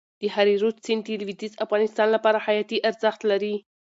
د هریرود سیند د لوېدیځ افغانستان لپاره حیاتي ارزښت لري.